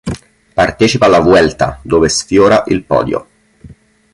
Partecipa alla Vuelta dove sfiora il podio.